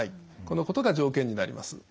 このことが条件になります。